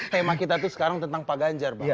tema kita itu sekarang tentang pak ganjar pak